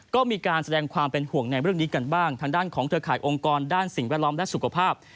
ก็มีการแสดงความเป็นห่วงในเรื่องนี้กันบ้างทางด้านของเครือข่ายองค์กรด้านสิ่งแวดล้อมและสุขภาพ